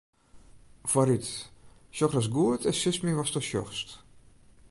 Foarút, sjoch ris goed en sis my watsto sjochst.